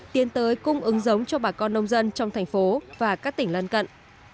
tiến tới cung ứng giống cho bà con nông dân trong thành phố và các tỉnh lân cận